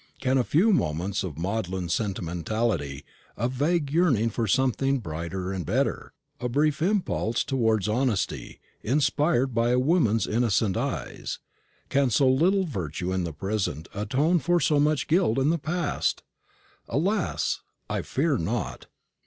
Can a few moments of maudlin sentimentality, a vague yearning for something brighter and better, a brief impulse towards honesty, inspired by a woman's innocent eyes can so little virtue in the present atone for so much guilt in the past? Alas! I fear not.